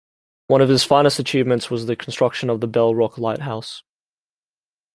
One of his finest achievements was the construction of the Bell Rock Lighthouse.